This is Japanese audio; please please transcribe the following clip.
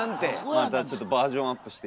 またちょっとバージョンアップして。